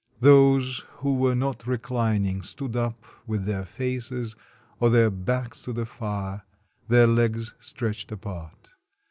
Those who were not reclining stood up with their faces or their backs to the fire, their legs stretched apart.